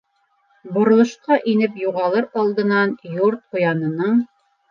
Боролошҡа инеп юғалыр алдынан Йорт ҡуянының: